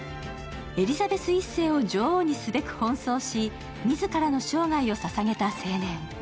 エリザベス１世を女王にすべく奔走し、自らの生涯を捧げた青年。